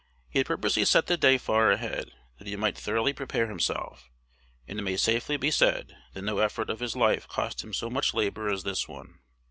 He had purposely set the day far ahead, that he might thoroughly prepare himself; and it may safely be said, that no effort of his life cost him so much labor as this one.